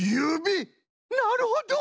なるほど！